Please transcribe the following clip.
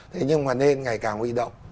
thế nhưng mà nên ngày càng uy động